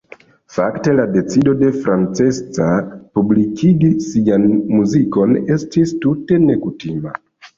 Fakte la decido de Francesca publikigi sian muzikon estis tute nekutima.